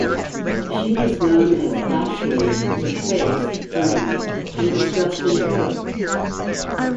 She was known as Ashley "The Face" Drane and was dressed in blue.